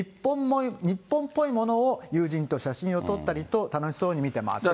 日本っぽいものを友人と写真を撮ったりと、楽しそうに見て回っていたと。